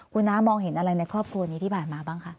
คุณน้ามองเห็นอะไรในครอบครัวนี้ที่ผ่านมาบ้างคะ